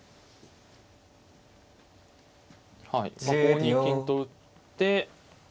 はい５二金と打って。